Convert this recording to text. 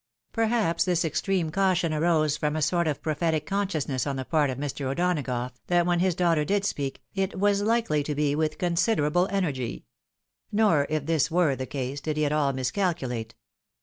Perhaps this extreme caution arose from a sort of, prop' tic consciousness on the part of Mr. O'Donagough, that when his daughter did speak, it was likely to be with considerable energy. Nor, if this were the case, did he at all miscalculate.